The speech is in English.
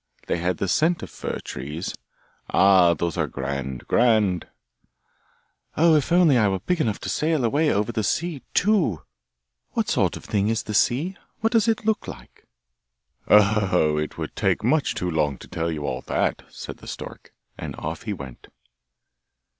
They had the scent of fir trees. Ah! those are grand, grand!' 'Oh! if I were only big enough to sail away over the sea too! What sort of thing is the sea? what does it look like?' 'Oh! it would take much too long to tell you all that,' said the stork, and off he went.